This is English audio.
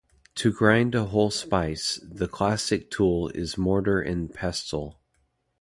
To grind a whole spice, the classic tool is mortar and pestle.